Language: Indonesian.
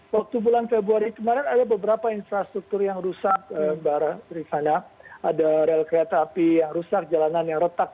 waktu bulan februari kemarin ada beberapa infrastruktur yang rusak mbak rifana ada rel kereta api yang rusak jalanan yang retak